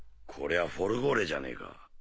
こりゃフォルゴーレじゃねえか。